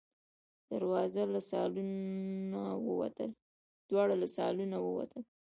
دواړه له سالونه ووتل.